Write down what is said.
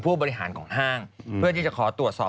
ผู้บริหารของห้างเพื่อที่จะขอตรวจสอบ